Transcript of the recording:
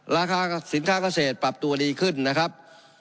ราคาสินค้าเกษตรปรับตัวดีขึ้นนะครับ